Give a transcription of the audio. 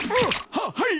はっはい！